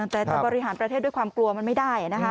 แต่จะบริหารประเทศด้วยความกลัวมันไม่ได้นะคะ